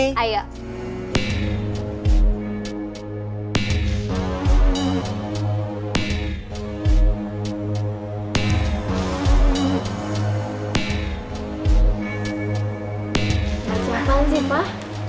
siapaan sih mbah